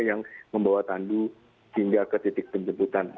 yang membawa tandu hingga ke titik penjemputan